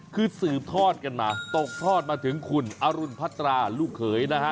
คือสืบทอดกันมาตกทอดมาถึงคุณอรุณพัตราลูกเขยนะฮะ